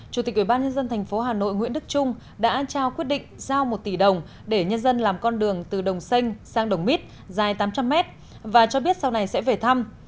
chủ tịch ủy ban nhân dân thành phố hà nội nguyễn đức trung đã trao quyết định giao một tỷ đồng để nhân dân làm con đường từ đồng xanh sang đồng mít dài tám trăm linh m và cho biết sau này sẽ về thăm